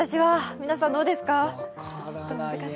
皆さんどうですか？